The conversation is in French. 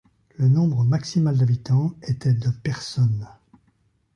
Le nombre maximal d'habitants était de personnes.